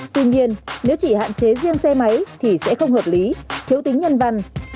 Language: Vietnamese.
tuy nhiên nếu chỉ hạn chế riêng xe máy thì sẽ không hợp lý thiếu tính nhân văn